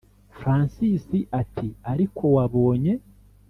francis ati”ariko wabonye?